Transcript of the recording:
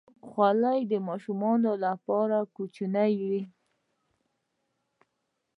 خولۍ د ماشومانو لپاره کوچنۍ وي.